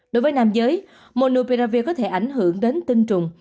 đối với nam giới monopiravi có thể ảnh hưởng đến tinh trùng